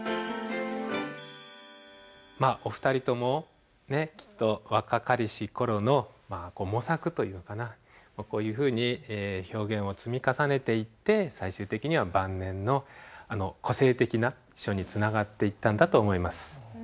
まあお二人ともねきっと若かりし頃のまあ模索というかなこういうふうに表現を積み重ねていって最終的には晩年のあの個性的な書につながっていったんだと思います。